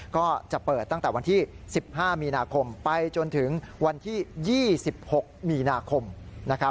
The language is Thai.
ก็จะเปิดตั้งแต่วันที่๑๕มีนาคมไปจนถึงวันที่๒๖มีนาคมนะครับ